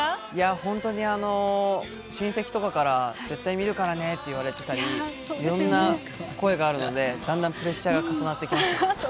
本当に親戚とかから絶対見るからねって言われてたり、いろんな声があるので、だんだんプレッシャーが重なってきました。